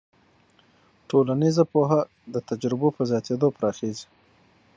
ټولنیز پوهه د تجربو په زیاتېدو پراخېږي.